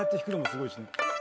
すごいしね。